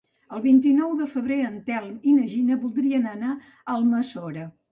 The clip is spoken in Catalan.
El vint-i-nou de febrer en Telm i na Gina voldrien anar a Almassora.